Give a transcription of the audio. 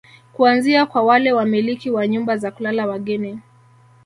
Kuanzia kwa wale wamiliki wa nyumba za kulala wageni